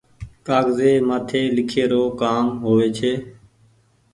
ڪآگزي مآٿي لکي رو ڪآم هووي ڇي۔